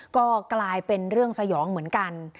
ก็กลายเป็นเรื่องสยองเหมือนกัน